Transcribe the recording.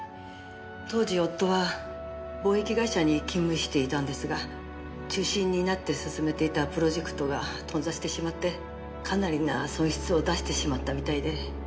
当時夫は貿易会社に勤務していたんですが中心になって進めていたプロジェクトが頓挫してしまってかなりな損失を出してしまったみたいで。